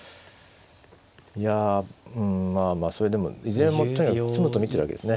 いやうんまあまあそれでもいずれもとにかく詰むと見てるわけですね。